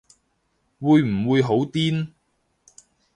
會唔會好癲